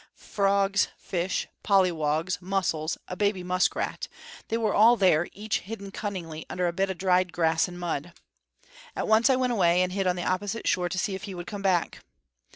Frogs, fish, pollywogs, mussels, a baby muskrat, they were all there, each hidden cunningly under a bit of dried grass and mud. And once I went away and hid on the opposite shore to see if he would come back.